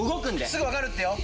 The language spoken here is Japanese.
すぐ分かるってよ。